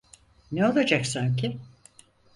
Ne olacak sanki?